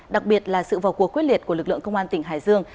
đặc biệt là sự vào cuộc quyết liệt của lực lượng công an tỉnh hải dương